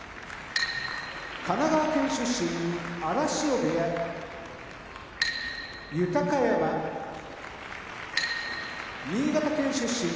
神奈川県出身荒汐部屋豊山新潟県出身